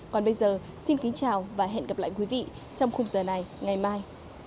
còn bây giờ xin kính chào và hẹn gặp lại quý vị trong khung giờ này ngày mai